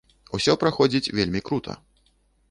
Усё праходзіць вельмі крута.